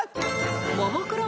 ［ももクロ